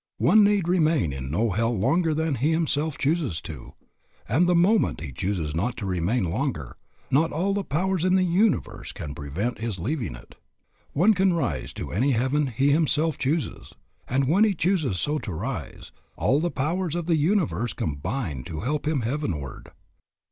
One need remain in no hell longer than he himself chooses to; and the moment he chooses not to remain longer, not all the powers in the universe can prevent his leaving it. One can rise to any heaven he himself chooses; and when he chooses so to rise, all the higher powers of the universe combine to help him heavenward.